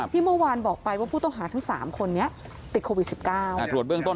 ที่เมื่อวานบอกไปว่าผู้ต้องหาทั้ง๓คนนี้ติดโควิด๑๙